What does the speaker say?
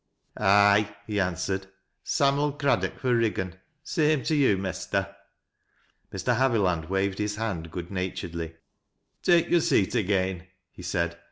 " Aye," he answered. " Sam'U Craddock fro' Riggan. Same to you, Mester." Mr. Haviland waved his hand good naturedly. "Take your seat again," he said.